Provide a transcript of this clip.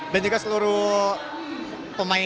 dan juga seluruh pemuda katolik